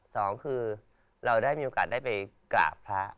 สองคือเราได้มีโอกาสได้ไปกราบพระ